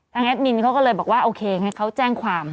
แอดมินเขาก็เลยบอกว่าโอเคให้เขาแจ้งความ